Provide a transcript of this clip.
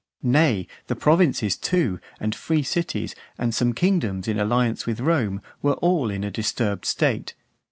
Nay, the provinces, too, and free cities, and some kingdoms in alliance with Rome, were all in a disturbed state.